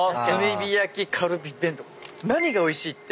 何がおいしいって